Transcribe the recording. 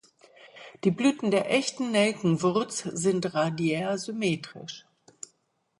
Die Blüten der Echten Nelkenwurz sind radiärsymmetrisch.